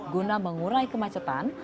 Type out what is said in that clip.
guna mengurai kemacetan